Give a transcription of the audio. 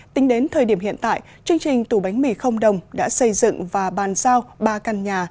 tính đến thời điểm hiện tại chương trình tủ bánh mì không đồng đã xây dựng và bàn giao ba căn nhà